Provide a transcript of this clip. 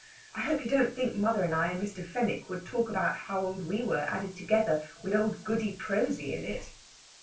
I hope you don't think mother and I and Mr. Fenwick would talk about how old we were added together, with old Goody Prosy in it!"